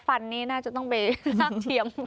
ต้องไปล้างเทียมมัน